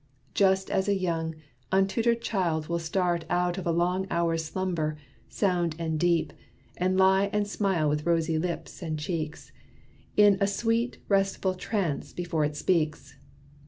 Just as a young, untutored child will start Out of a long hour's slumber, sound and deep, And lie and smile with rosy lips, and cheeks, In a sweet, restful trance, before it speaks.